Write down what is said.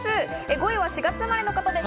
５位は４月生まれの方です。